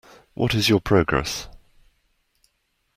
What is your progress?